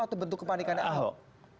atau bentuk kepanikannya ahok